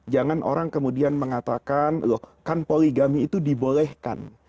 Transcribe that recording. jangan orang kemudian mengatakan loh kan poligami itu dibolehkan